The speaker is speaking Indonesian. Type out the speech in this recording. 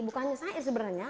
bukan hanya syair sebenarnya